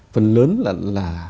phần lớn là